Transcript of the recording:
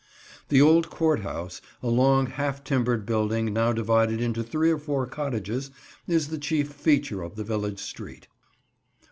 The old Court House, a long half timbered building now divided into three or four cottages, is the chief feature of the village street.